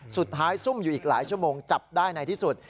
ซุ่มอยู่อีกหลายชั่วโมงจับได้ในที่สุด